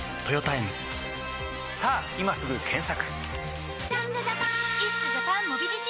さぁ今すぐ検索！